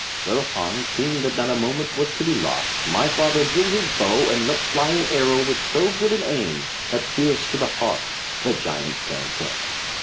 Whereupon, seeing that not a moment was to be lost, my father drew his bow and let fly an arrow with so good an aim that pierced to the heart the giant fell dead.